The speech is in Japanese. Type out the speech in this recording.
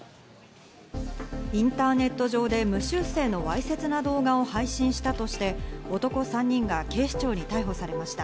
インターネット上で無修正のわいせつな動画を配信したとして男３人が警視庁に逮捕されました。